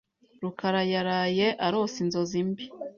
rukarayaraye arose inzozi mbi.